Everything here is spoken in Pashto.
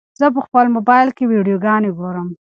زه په خپل موبایل کې ویډیوګانې ګورم.